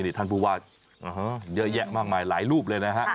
นี่ท่านผู้ว่าเยอะแยะมากมายหลายรูปเลยนะฮะ